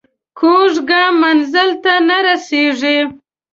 کوږ ګام منزل ته نه رسېږي